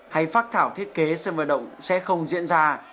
hay phát thảo thiết kế sân vận động sẽ không diễn ra